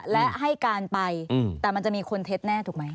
และให้การไปแต่มันจะมีคนเท็จแน่ถูกไหม